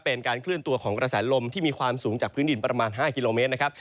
เป็นการเคลื่อนตัวของกระแสลมที่มีความสูงจากพื้นดินประมาณ๕กิโลเมตรนะครับ